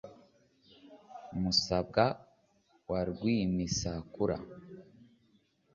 musabwa wa rwimisakura